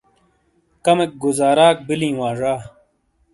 کَمیک گُزاراک بِیلِیں وا زا۔